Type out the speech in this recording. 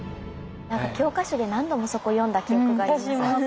教科書で何度もそこ読んだ記憶があります。